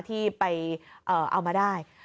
ที่ไปเอามาได้